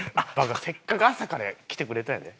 せっかく朝から来てくれたんやで。